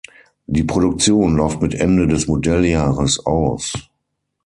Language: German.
Die Produktion läuft mit dem Ende des Modelljahres aus.